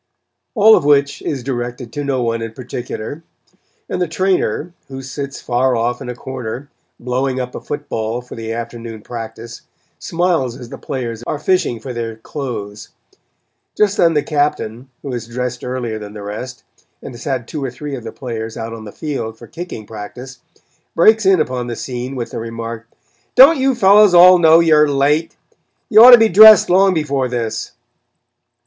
All of which is directed to no one in particular, and the Trainer, who sits far off in a corner, blowing up a football for the afternoon practice, smiles as the players are fishing for their clothes. Just then the Captain, who has dressed earlier than the rest, and has had two or three of the players out on the field for kicking practice, breaks in upon the scene with the remark: "Don't you fellows all know you're late? You ought to be dressed long before this."